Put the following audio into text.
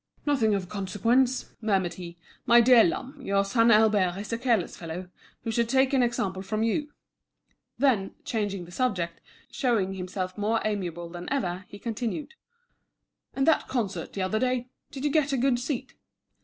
"Nothing of consequence!" murmured he. "My dear Lhomme, your son Albert is a careless fellow, who should take an example from you." Then, changing the subject, showing himself more amiable than ever, he continued; "And that concert the other day—did you get a good seat?"